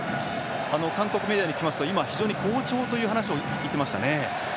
韓国メディアに聞きますと今、非常に好調という話を言っていました。